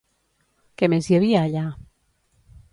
Què més hi havia allà?